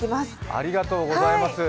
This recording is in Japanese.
ありがとうございます。